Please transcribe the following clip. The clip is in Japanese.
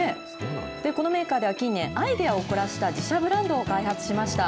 このメーカーでは近年、アイデアを凝らした自社ブランドを開発しました。